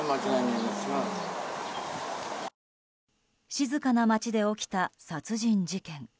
静かな町で起きた殺人事件。